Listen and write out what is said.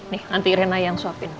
nanti irena yang suapin